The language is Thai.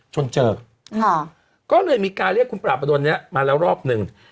จนเจอค่ะก็เลยมีการเรียกคุณปราบประดนเนี่ยมาแล้วรอบหนึ่ง